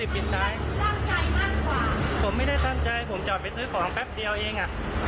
ผมไม่ได้ทำใจผมจอดไปซื้อของแปบเดียวเอง